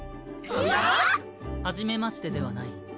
嫌⁉はじめましてではない。